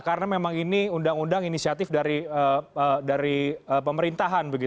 karena memang ini undang undang inisiatif dari pemerintahan